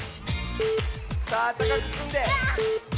さあたかくつんで。